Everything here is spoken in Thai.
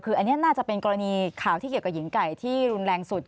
คืออันนี้น่าจะเป็นกรณีข่าวที่เกี่ยวกับหญิงไก่ที่รุนแรงสุด